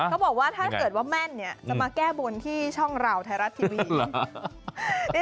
เขาบอกว่าถ้าเกิดว่าแม่นเนี่ยจะมาแก้บนที่ช่องเราไทยรัฐทีวี